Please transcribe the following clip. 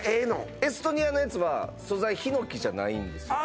エストニアのやつは素材ヒノキじゃないんですよああ